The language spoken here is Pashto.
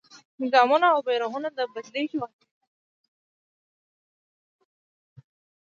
نظامونه او بیرغونه بدلېږي واضح ده.